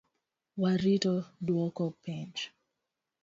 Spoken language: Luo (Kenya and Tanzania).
Warito duoko penj